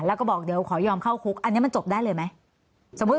แล้วก็บอกเดี๋ยวขอยอมเข้าคุกอันนี้มันจบได้เลยไหม